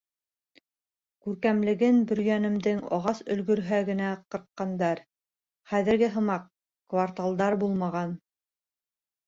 Күркәмлеген Бөрйәнемдең Ағас өлгөрһә генә ҡырҡҡандар, хәҙерге һымаҡ кварталдар булмаған.